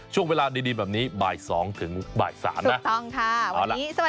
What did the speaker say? ช่วงเวลาดีแบบนี้บ่าย๒ถึงบ่าย๓นะ